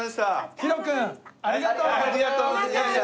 ヒロ君ありがとう！